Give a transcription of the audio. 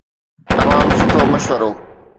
تمام سٺو مشورو.